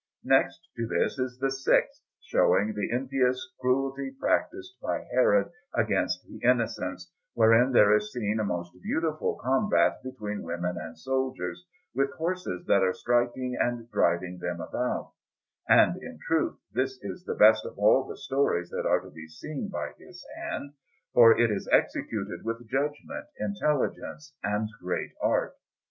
Next to this is the sixth, showing the impious cruelty practised by Herod against the Innocents, wherein there is seen a most beautiful combat between women and soldiers, with horses that are striking and driving them about; and in truth this is the best of all the stories that are to be seen by his hand, for it is executed with judgment, intelligence, and great art.